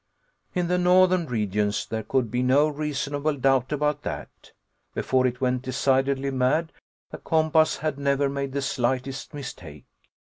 In the northern regions, there could be no reasonable doubt about that. Before it went decidedly mad, the compass had never made the slightest mistake.